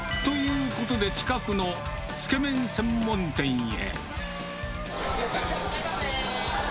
ということで、近くのつけ麺専門店へ。